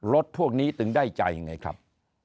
รถพวกนี้จึงได้ใจไงครับ